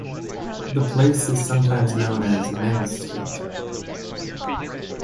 The place is sometimes known as "Men's Street".